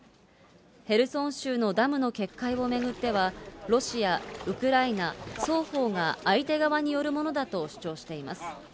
ヘルソン州のダムの決壊を巡っては、ロシア、ウクライナ双方が相手側によるものだと主張しています。